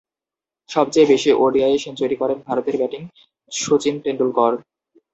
সবচেয়ে বেশি ODI century করেন ভারতের ব্যাটিং শচীন তেন্ডুলকর।